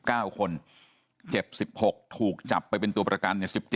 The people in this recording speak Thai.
อยู่ในอย่างเช่นเจ็บ๑๖ถูกจับไปเป็นตัวประกัน๑๗